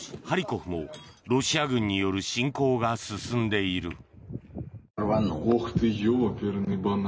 ハリコフもロシア軍による侵攻が進んでいる。